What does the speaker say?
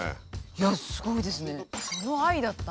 いやすごいですね。